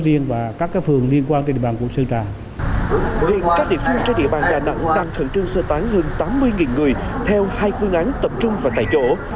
theo hai phương án tập trung và tại chỗ